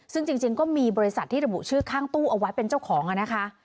ซึ่งจริงก็มีบริษัทที่ระบุชื่อข้างตู้เอาไว้เป็นเจ้าของนะคะ